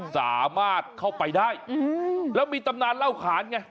สามารถเข้าไปได้แล้วมีตำนานเล่าขานไง